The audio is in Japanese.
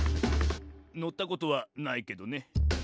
「のったことはないけどね」